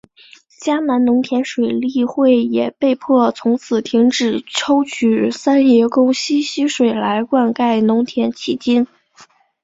嘉南农田水利会也被迫从此停止抽取三爷宫溪溪水来灌溉农田迄今。